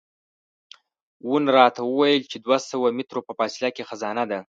وون راته وویل چې دوه سوه مترو په فاصله کې خزانه ده.